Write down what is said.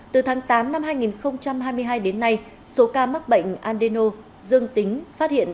từ tháng tám năm hai nghìn hai mươi hai đến nay số ca mắc bệnh alino dương tính phát hiện